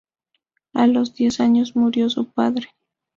A los diez años murió su padre.